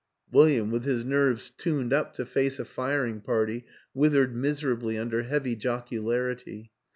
William, with his nerves tuned up to face a firing party, withered miserably under heavy joc ularity.